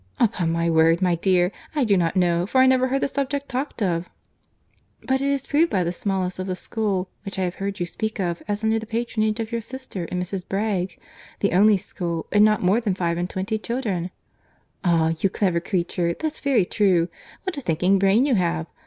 "Upon my word, my dear, I do not know, for I never heard the subject talked of." "But it is proved by the smallness of the school, which I have heard you speak of, as under the patronage of your sister and Mrs. Bragge; the only school, and not more than five and twenty children." "Ah! you clever creature, that's very true. What a thinking brain you have!